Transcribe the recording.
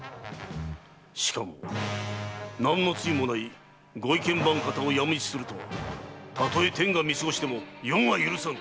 しかも何の罪もない御意見番方を闇討ちするとはたとえ天が見過ごしても余が許さぬ！